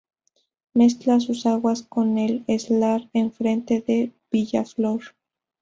Mezcla sus agua con el Esla en frente de Villaflor.